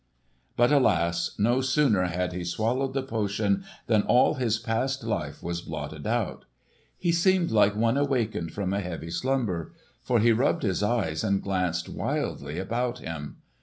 But alas! no sooner had he swallowed the potion than all his past life was blotted out! He seemed like one awakened from a heavy slumber, for he rubbed his eyes and glanced wildly about him.